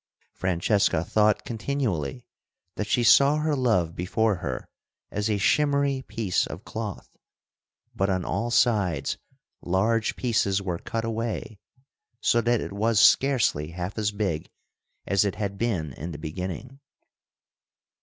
Francesca thought continually that she saw her love before her as a shimmery piece of cloth, but on all sides large pieces were cut away, so that it was scarcely half as big as it had been in the beginning.